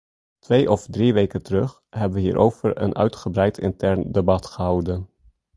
Twee of drie weken terug hebben we hierover een uitgebreid intern debat gehouden.